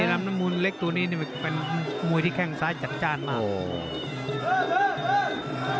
ลำน้ำมูลเล็กตัวนี้เป็นมวยที่แข้งซ้ายจัดจ้านมาก